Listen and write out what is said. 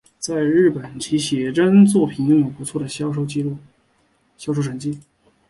在日本其写真作品拥有不错的销售成绩。